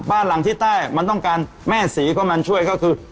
บ้านหลังที่ใต้มันต้องการแม่ศรีของมันช่วยก็คือ